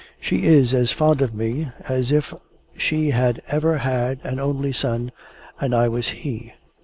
She is as fond of me as if she had ever had an only son, and I was he.